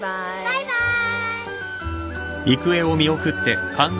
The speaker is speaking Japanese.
バイバーイ。